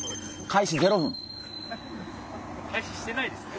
開始してないですね。